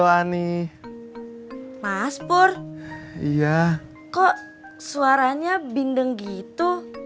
hai kau bersin bersin